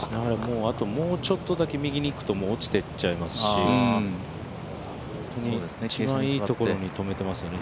もうちょっとだけ右にいっちゃうと落ちちゃいますし、一番いいところに止めてますよね。